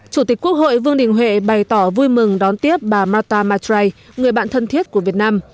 chủ tịch quốc hội vương đình huệ bày tỏ vui mừng đón tiếp bà marta matrai người bạn thân thiết của việt nam